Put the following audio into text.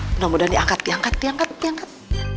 mudah mudahan diangkat diangkat diangkat diangkat